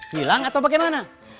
hilang atau bagaimana